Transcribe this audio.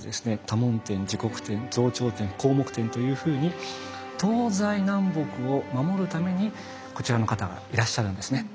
多聞天持国天増長天広目天というふうに東西南北を守るためにこちらの方がいらっしゃるんですね。